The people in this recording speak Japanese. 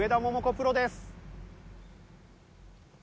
プロです。